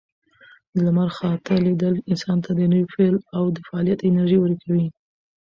د لمر خاته لیدل انسان ته د نوي پیل او فعالیت انرژي ورکوي.